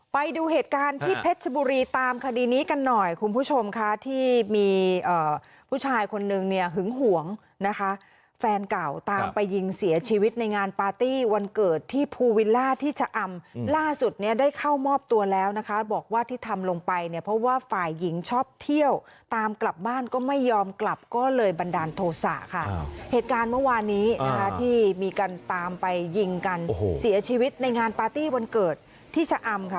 ไปดูเหตุการณ์ที่เพชรบุรีตามคดีนี้กันหน่อยคุณผู้ชมค่ะที่มีผู้ชายคนหนึ่งเนี่ยหึงหวงนะคะแฟนเก่าตามไปยิงเสียชีวิตในงานปาร์ตี้วันเกิดที่ภูวิล่าที่ชะอำล่าสุดเนี่ยได้เข้ามอบตัวแล้วนะคะบอกว่าที่ทำลงไปเนี่ยเพราะว่าฝ่ายหญิงชอบเที่ยวตามกลับบ้านก็ไม่ยอมกลับก็เลยบันดาลโทษะค่ะเหตุ